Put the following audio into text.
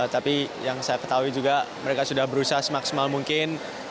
tapi yang saya ketahui juga mereka sudah berusaha semaksimal mungkin